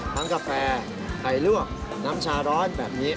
กาแฟไข่ลวกน้ำชาร้อนแบบนี้